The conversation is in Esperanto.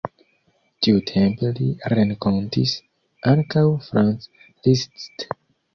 Tiutempe li renkontis ankaŭ Franz Liszt.